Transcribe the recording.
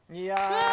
うわ！